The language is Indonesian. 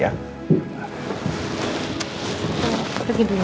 ya kita pergi dulu ya